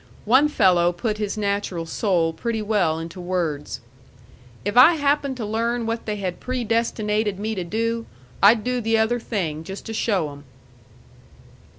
One fellow put his natural soul pretty well into words, "If I happened to learn what they had predestinated me to do, I'd do the other thing, just to show 'em!"